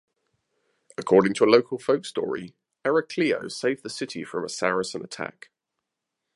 According to a local folk story, Eraclio saved the city from a Saracen attack.